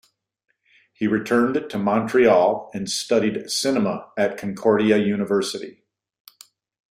He returned to Montreal and studied cinema at Concordia University.